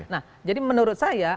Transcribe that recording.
nah jadi menurut saya